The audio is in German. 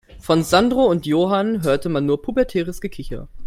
Von Sandro und Johann hörte man nur pubertäres Gekicher.